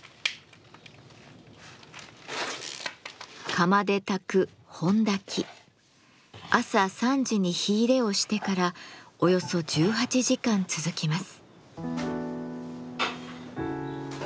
釜で焚く朝３時に火入れをしてからおよそ１８時間続きます。